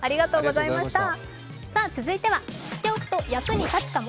続いては知っとくと役に立つかも。